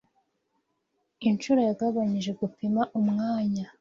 Inshuro yagabanije gupima Umwanya